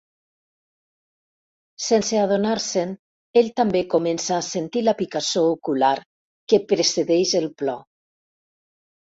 Sense adonar-se'n, ell també comença a sentir la picassor ocular que precedeix el plor.